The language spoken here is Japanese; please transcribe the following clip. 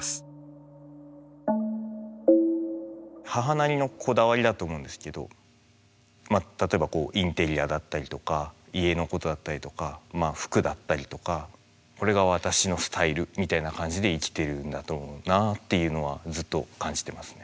母なりのこだわりだと思うんですけど例えばインテリアだったりだとか家のことだったりだとか服だったりとかこれが私のスタイルみたいな感じで生きてるんだと思うなあっていうのはずっと感じてますね。